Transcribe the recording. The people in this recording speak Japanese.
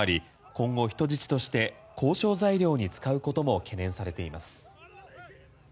今後、人質として交渉材料に使うことも懸念されています。